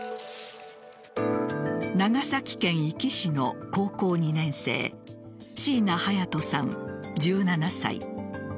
長崎県壱岐市の高校２年生椎名隼都さん、１７歳。